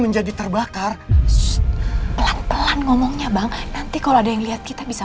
menjadi terbakar pelan pelan ngomongnya bang nanti kalau ada yang lihat kita bisa